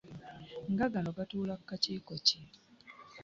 Nga gano gatuula ku kakiiko kano